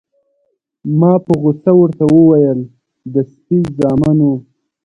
ما په غوسه ورته وویل: د سپي زامنو.